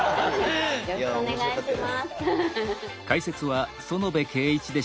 よろしくお願いします。